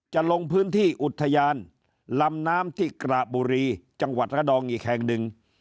จะลงพื้นที่อุทยานลำน้ำที่กระบุรีจังหวัดระดองอีกแห่งหนึ่ง